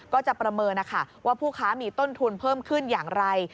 ประเมินนะคะว่าผู้ค้ามีต้นทุนเพิ่มขึ้นอย่างไร